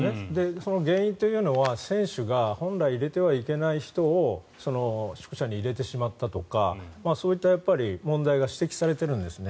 その原因というのは選手が本来、入れてはいけない人を宿舎に入れてしまったとかそういった問題が指摘されてるんですね。